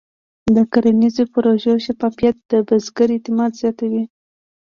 د کرنیزو پروژو شفافیت د بزګر اعتماد زیاتوي.